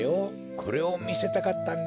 これをみせたかったんだ。